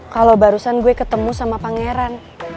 kalau barusan gue ketemu sama pangeran